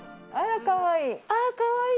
あかわいい。